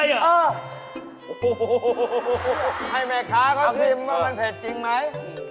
ยังไง